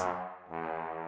mas suha udah tidur